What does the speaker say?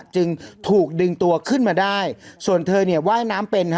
จึงถูกดึงตัวขึ้นมาได้ส่วนเธอว่ายน้ำเป็น